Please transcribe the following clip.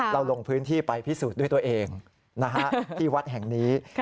ลงพื้นที่ไปพิสูจน์ด้วยตัวเองที่วัดแห่งนี้